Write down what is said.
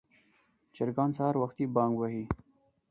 چرګان سهار وختي بانګ وهي.